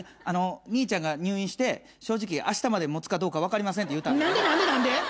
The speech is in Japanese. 兄ちゃんが入院して正直あしたまで持つかどうか分かりませんって言うたんやけど。